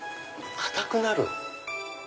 硬くなる？